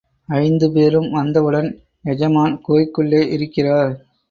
ஐந்து பேரும் வந்தவுடன், எஜமான் குகைக்குள்ளே இருக்கிறார்.